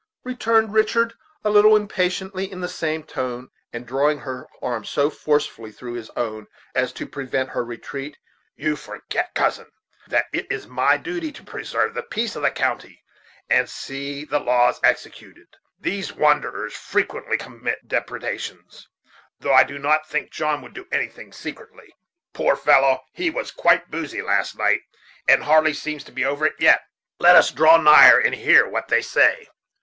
returned Richard a little impatiently, in the same tone, and drawing her arm so forcibly through his own as to prevent her retreat; "you forget, cousin, that it is my duty to preserve the peace of the county and see the laws executed, these wanderers frequently commit depredations, though I do not think John would do anything secretly. Poor fellow! he was quite boozy last night, and hardly seems to be over it yet. Let us draw nigher and hear what they say."